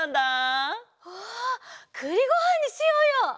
わあくりごはんにしようよ！